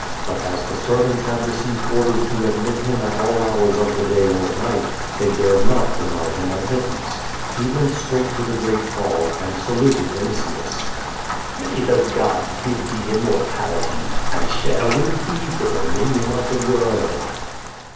But as the servants had received orders to admit liim at all hours of the day or night, they dared not deny him admittance. He went straight to the great hall, and sj] luted Vinitius: "May the gods give thee immortality, and share with thee the dominion of the world."